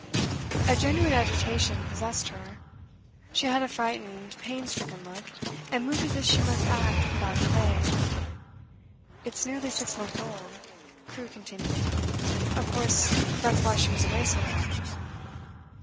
A genuine agitation possessed her; she had a frightened, pain stricken look, and moved as if she must act without delay. 'It's nearly six months old,' Crewe continued. 'Of course that's why she was away so long.